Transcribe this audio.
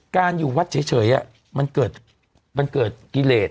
อยู่วัดเฉยมันเกิดกิเลส